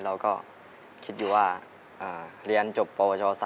เราก็คิดอยู่ว่าเรียนจบปวช๓